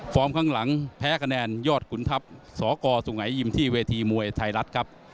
ข้างหลังแพ้คะแนนยอดขุนทัพสกสุงหายิมที่เวทีมวยไทยรัฐครับ